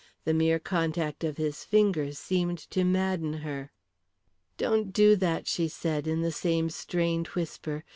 The mere contact of his fingers seemed to madden her. "Don't do that," she said, in the same strained whisper.